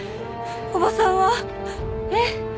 おばさんは？えっ？